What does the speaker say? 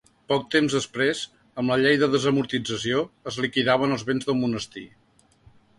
Poc temps després, amb la llei de desamortització, es liquidaven els béns del monestir.